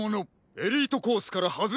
エリートコースからはずれたら。